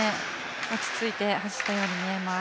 落ち着いて走ったように見えます。